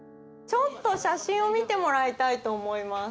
ちょっと写真を見てもらいたいと思います。